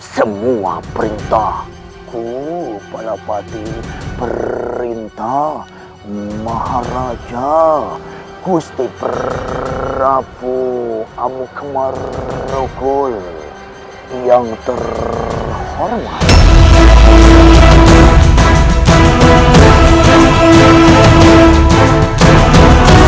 semua perintahku pada pati perintah maharaja gusti prabu amukmarugul yang terhormat